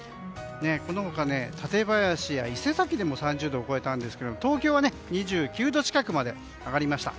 この他、舘林は伊勢崎でも３０度を超えたんですけど東京は２９度近くまで上がりました。